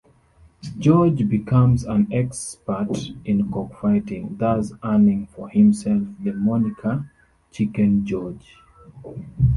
George becomes an expert in cockfighting, thus earning for himself the moniker "Chicken George".